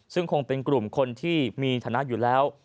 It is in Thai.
ซึ่งคงเป็นกลุ่มคนที่มีฐานะอยู่แล้ว